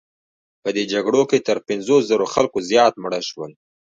په دې جګړو کې تر پنځوس زره خلکو زیات مړه شول.